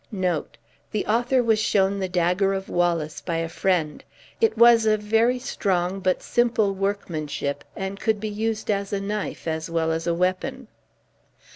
" The author was shown the dagger of Wallace by a friend. It was of very strong but simple workmanship, and could be used as a knife as well as a weapon.